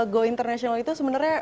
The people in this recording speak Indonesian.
go international itu sebenarnya